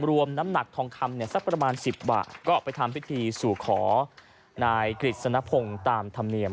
น้ำหนักทองคำเนี่ยสักประมาณ๑๐บาทก็ไปทำพิธีสู่ขอนายกฤษณพงศ์ตามธรรมเนียม